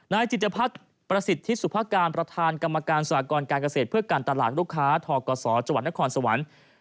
จิตพัฒน์ประสิทธิสุภาการประธานกรรมการสหกรการเกษตรเพื่อการตลาดลูกค้าทกศจังหวัดนครสวรรค์